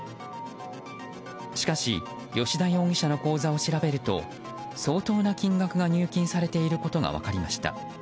しかし吉田容疑者の口座を調べると相当な金額が入金されていることが分かりました。